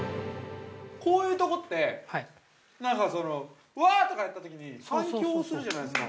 ◆こういうところってわあ！とか言ったときに反響するじゃないですか。